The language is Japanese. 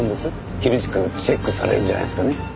厳しくチェックされるんじゃないですかね？